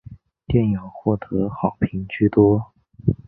电影获得好评居多。